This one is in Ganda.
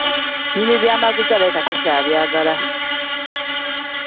Nnyini byamaguzi alabika takyabyagala.